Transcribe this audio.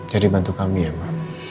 jadi bantu kami ya ma